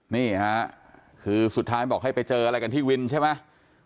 นี่ค่ะคือสุดท้ายบอกให้ไปเจออะไรกันที่วินใช่ไหม